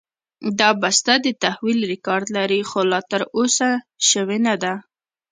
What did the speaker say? دا بسته د تحویل ریکارډ لري، خو لا ترلاسه شوې نه ده.